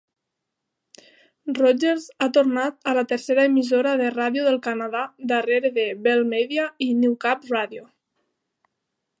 Rogers ha tornat a la tercera emissora de ràdio del Canadà darrere de Bell Media i Newcap Radio.